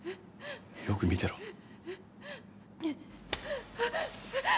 よく見てろ。